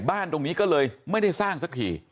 บ้านตรงนี้ก็เลยไม่ได้สร้างสักที